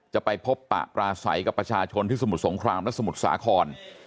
จะไปพบปะปราศัยกับประชาชนที่สมุทรสงครามและสมุทรสาคร